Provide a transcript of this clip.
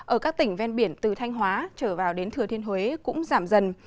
ở các tỉnh ven biển từ thanh hóa trở vào đến thừa thiên huế cũng giảm dần